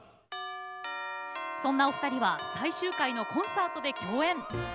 そんなお二人は最終回のコンサートで共演。